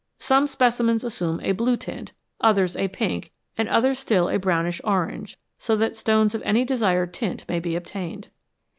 Some specimens assume a blue tint, others a pink, and others still a brownish orange ; so that stones of any desired tint may be obtained.